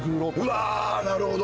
うわなるほど！